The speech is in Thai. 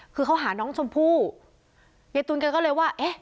คือเขาหาน้องชมพู่ยายตุ๋นแกก็เลยว่าเอ๊ะ